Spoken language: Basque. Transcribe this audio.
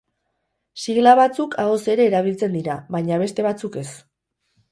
Sigla batzuk ahoz ere erabiltzen dira, baina beste batzuk ez.